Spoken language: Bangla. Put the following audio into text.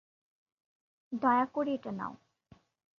দয়া করে এটা নাও।